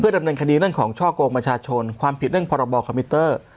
ดำเนินคดีเรื่องของช่อกงประชาชนความผิดเรื่องพรบคอมพิวเตอร์